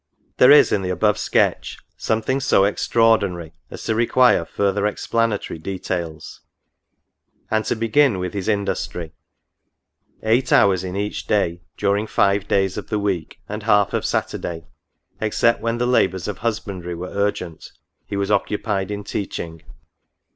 There is in the above sketch something so extraordinary as to require further explanatory details. — And to begin with his industry ; eight hours in each day, during five days in the week, and half of Saturday, except when the labours of husbandry were urgent, he was occupied in teaching.